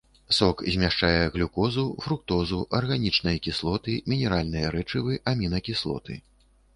Сок змяшчае глюкозу, фруктозу, арганічныя кіслоты, мінеральныя рэчывы, амінакіслоты.